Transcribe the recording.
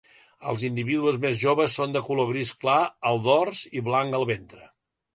Els individus més joves són de color gris clar al dors i blanc al ventre.